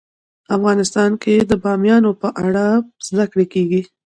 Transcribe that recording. افغانستان کې د بامیان په اړه زده کړه کېږي.